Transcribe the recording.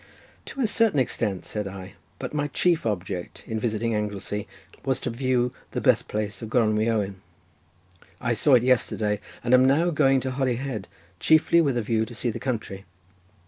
"To a certain extent," said I; "but my chief object in visiting Anglesey was to view the birth place of Gronwy Owen; I saw it yesterday and am now going to Holyhead chiefly with a view to see the country."